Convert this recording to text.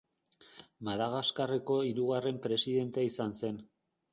Madagaskarreko hirugarren presidentea izan zen.